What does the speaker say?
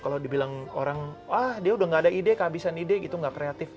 kalau dibilang orang ah dia sudah tidak ada ide kehabisan ide gitu tidak kreatif